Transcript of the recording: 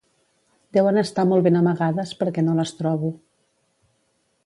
Deuen estar molt ben amagades perquè no les trobo